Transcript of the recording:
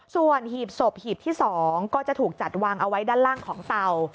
ส่วนหีบศพหีบที่๒ก็จะถูกจัดวางเอาไว้ด้านล่างของเตา